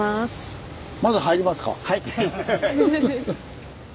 はい。